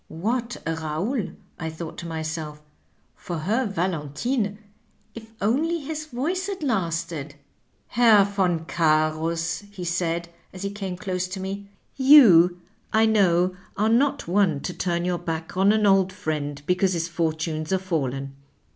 ^What a Eaonl/ I thought to myself, *for her Valentine, if only his voice had lasted I '^ Herr Yon Cams,' he said, as he came close to me, *yon, I know, are not one to tnm your back on an old friend because his fortunes are fallen.'